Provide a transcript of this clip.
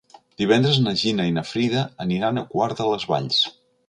Divendres na Gina i na Frida aniran a Quart de les Valls.